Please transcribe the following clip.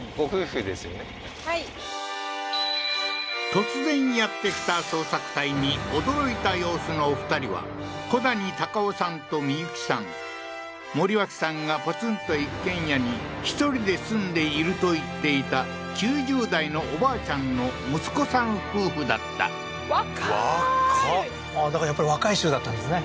突然やって来た捜索隊に驚いた様子のお二人は森脇さんがポツンと一軒家に１人で住んでいると言っていた９０代のおばあちゃんの息子さん夫婦だった若ーい若っだからやっぱり若い衆だったんですね